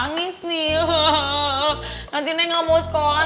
nanti neng nggak mau sekolah nanti neng nggak mau makan